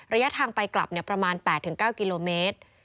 ระยะทางไปกลับประมาณ๘๙กิโลเมตร